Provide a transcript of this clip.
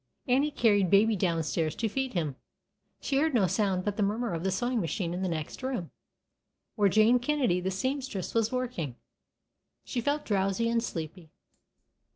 Annie had carried Baby down stairs to feed him. She heard no sound but the murmur of the sewing machine in the next room, where Jane Kennedy, the seamstress, was working. She felt drowsy and sleepy.